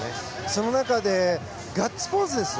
その中でガッツポーズです。